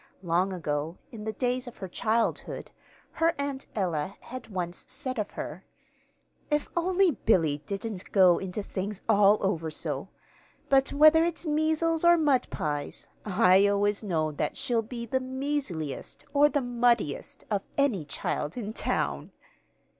Long ago, in the days of her childhood, her Aunt Ella had once said of her: "If only Billy didn't go into things all over, so; but whether it's measles or mud pies, I always know that she'll be the measliest or the muddiest of any child in town!"